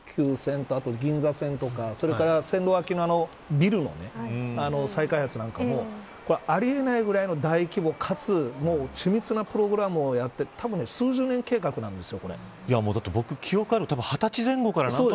東急線と、あと銀座線とか線路脇のビルの再開発なんかもあり得ないぐらいの大規模かつ緻密なプログラムをやってたぶん数十年計画なんですよ。